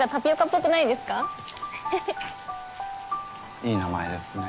いい名前ですね。